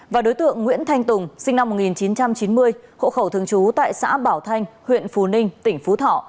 và đối tượng nguyễn thanh tùng sinh năm một nghìn chín trăm chín mươi hộ khẩu thường trú tại xã bảo thanh huyện phú ninh tỉnh phú thọ